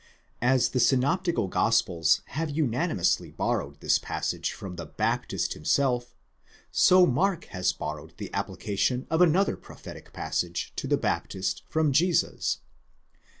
As the synoptical gospels have unanimously borrowed this passage from the Baptist himself, so Mark has borrowed the application of another prophetic passage to the Baptist from Jesus.